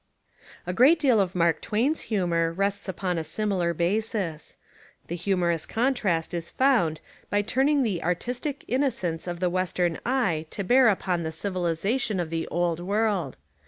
A great deal of Mark Twain's humour rests upon a similar basis. The humorous contrast is found by turning the "artistic innocence" of the western eye to bear upon the civilisation of the old world.